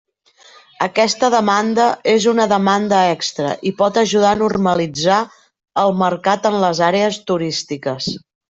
Aquesta demanda és una demanda extra i pot ajudar a normalitzar el mercat en les àrees turístiques.